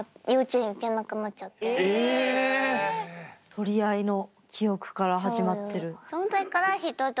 取り合いの記憶から始まってる。